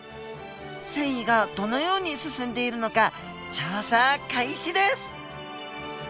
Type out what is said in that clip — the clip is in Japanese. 遷移がどのように進んでいるのか調査開始です！